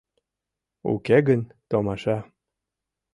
Уке гын, томаша.